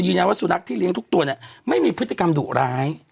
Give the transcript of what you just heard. ว่าสุนัขที่เลี้ยงทุกตัวเนี่ยไม่มีพฤติกรรมดุร้าย